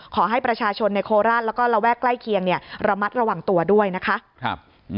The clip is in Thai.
ขอให้ประชาชนในโคราชแล้วก็ระแวกใกล้เคียงระมัดระวังตัวด้วยนะคะ